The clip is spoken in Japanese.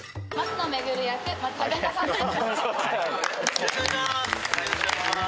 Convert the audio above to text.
よろしくお願いします。